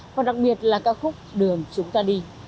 và đặc biệt là ca khúc đường chúng ta đi